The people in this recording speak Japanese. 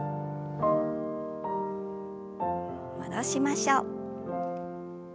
戻しましょう。